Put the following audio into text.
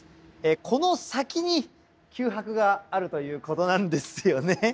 この先に九博があるということなんですよね。